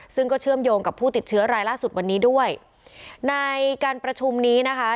ซึ่งก็เชื่อมโยงกับผู้ติดเชื้อรายล่าสุดวันนี้ด้วยในการประชุมนี้นะคะ